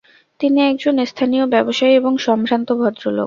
তিনি একজন স্থানীয় ব্যবসায়ী এবং সম্ভ্রান্ত ভদ্রলোক।